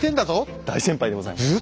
大先輩でございます。